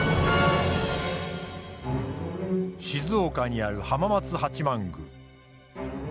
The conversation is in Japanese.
静岡にある浜松八幡宮。